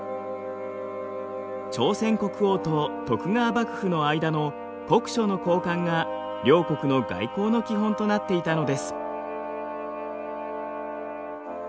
朝鮮国王と徳川幕府の間の国書の交換が両国の外交の基本となっていたのです。